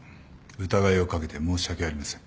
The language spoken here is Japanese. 疑いを掛けて申し訳ありません。